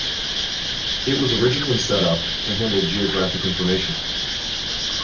It was originally set up to handle geographic information.